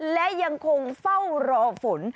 และยังคงเฝ้ารอฝน